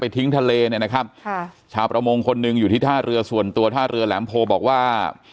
ทิ้งทะเลเนี่ยนะครับค่ะชาวประมงคนหนึ่งอยู่ที่ท่าเรือส่วนตัวท่าเรือแหลมโพบอกว่า